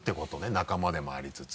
仲間でもありつつ。